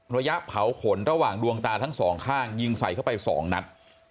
ระยะเผาขนระหว่างดวงตาทั้งสองข้างยิงใส่เข้าไป๒นัด